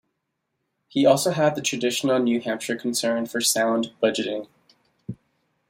He also had the traditional New Hampshire concern for sound budgeting.